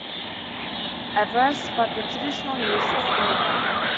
Everest, but the traditional use is still alive.